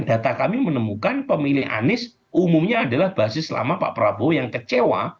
data kami menemukan pemilih anies umumnya adalah basis lama pak prabowo yang kecewa